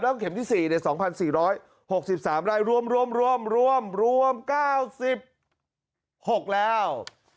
แล้วเข็มที่๔เนี่ย๒๔๖๓รายรวมรวมรวม๙๖แล้ว